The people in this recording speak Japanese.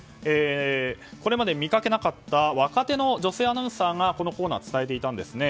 これまで見かけなかった若手の女性アナウンサーがこのコーナー伝えていたんですね。